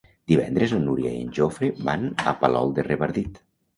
Divendres na Núria i en Jofre van a Palol de Revardit.